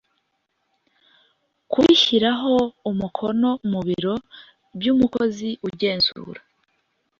kubishyiraho umukono mu biro by umukozi ugenzura